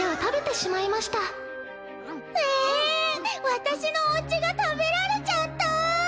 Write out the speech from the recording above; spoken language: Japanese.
私のおうちが食べられちゃった。